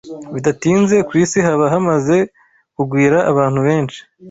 Bidatinze, ku isi haba hamaze kugwira abantu benshi